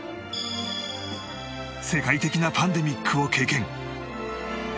世界的なパンデミックを経験